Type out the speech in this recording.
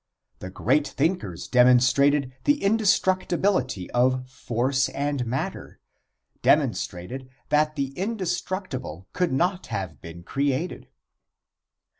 The great thinkers demonstrated the indestructibility of force and matter demonstrated that the indestructible could not have been created.